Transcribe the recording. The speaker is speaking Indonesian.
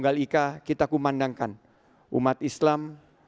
bulan ramadhan bulan toleransi